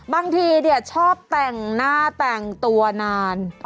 บางทีชอบแต่งหน้าแต่งตัวนาน